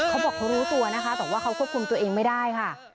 เขาบอกเขารู้ตัวนะคะแต่ว่าเขาควบคุมตัวเองไม่ได้ค่ะ